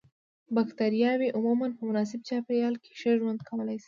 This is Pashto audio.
بکټریاوې عموماً په مناسب چاپیریال کې ښه ژوند کولای شي.